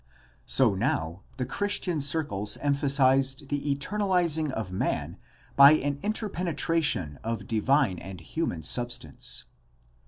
So now the Christian circles emphasized the eternaliz ing of man by an interpenetration of divine and human sub stance.